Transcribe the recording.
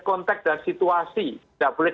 konteks dan situasi tidak boleh